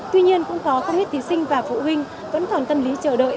tuy nhiên cũng có không ít thí sinh và phụ huynh vẫn còn tâm lý chờ đợi